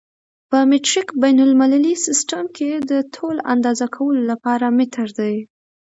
په مټریک بین المللي سیسټم کې د طول اندازه کولو لپاره متر دی.